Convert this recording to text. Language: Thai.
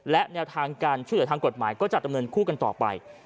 และแนวทางการช่วยเหลือทางกฎหมายก็จะดำเนินคู่กันต่อไป